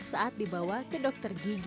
saat dibawa ke dokter gigi